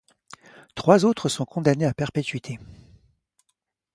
Trois autres sont condamnés à perpétuité.